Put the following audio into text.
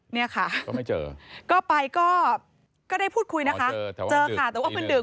เนี่ยค่ะก็ไม่เจอก็ไปก็ได้พูดคุยนะคะเจอค่ะแต่ว่ามันดึก